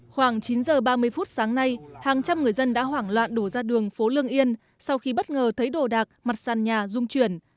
khoảng chín giờ ba mươi phút sáng nay hàng trăm người dân đã hoảng loạn đổ ra đường phố lương yên sau khi bất ngờ thấy đồ đạc mặt sàn nhà dung chuyển